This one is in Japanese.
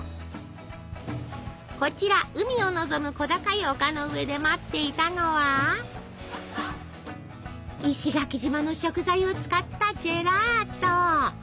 こちら海をのぞむ小高い丘の上で待っていたのは石垣島の食材を使ったジェラート！